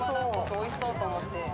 おいしそうと思って。